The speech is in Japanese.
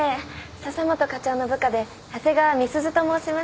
笹本課長の部下で長谷川美鈴と申します。